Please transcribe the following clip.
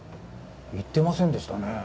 言ってませんでしたね。